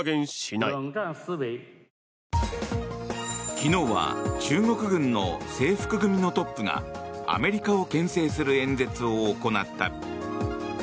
昨日は中国軍の制服組のトップがアメリカをけん制する演説を行った。